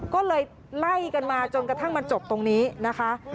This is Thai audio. ก็เลยไล่กันมาจนกระทั่งมันจบตรงนี้นะคะ